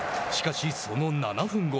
しかし、その７分後。